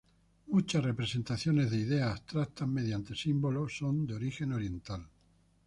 Muchas representaciones de ideas abstractas mediante símbolos son de origen oriental.